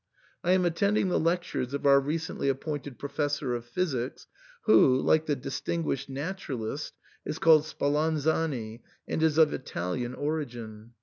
I am attending the lec tures of our recently appointed Professor of Physics, who, like the distinguished naturalist,* is called Spal anzani, and is of Italian origin.